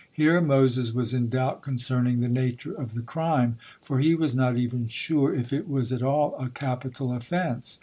Here Moses was in doubt concerning the nature of the crime, for he was not even sure if it was at all a capital offence.